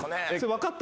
分かった？